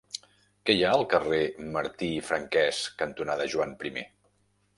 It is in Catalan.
Què hi ha al carrer Martí i Franquès cantonada Joan I?